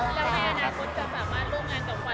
แล้วในอนาคตจะสามารถร่วงงานกับขวัญ